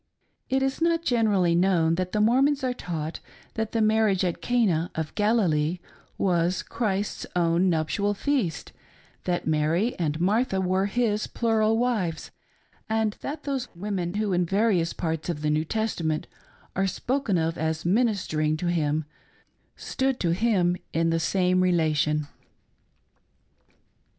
It is not generally knowa that the Mormons are taught that the marriage at Cana of Galilee was Christ's own nuptial feast, th^t Mary and Martha were his plural wives, and that those women who in various parts of the New Testament are spoken of as ministering to him stood to him in the same relation.